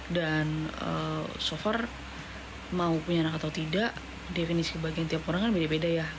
dan so far mau punya anak atau tidak definisi kebahagiaan tiap orang kan beda beda ya